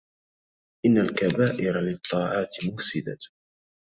إن الكبائر للطاعات مفسدة